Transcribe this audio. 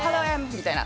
みたいな。